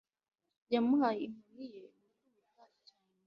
yamuhaye inkoni ye gukubita cyane